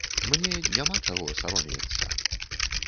Мне няма чаго саромеецца.